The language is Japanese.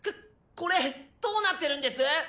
ここれどうなってるんです！？